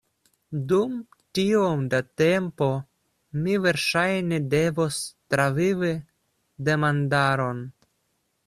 Dum tiom da tempo, mi verŝajne devos travivi demandaron.